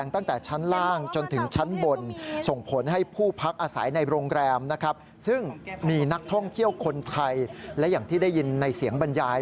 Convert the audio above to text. ทั้งเที่ยวคนไทยและอย่างที่ได้ยินในเสียงบรรยาย